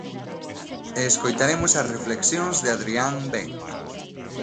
E escoitaremos as reflexións de Adrián Ben.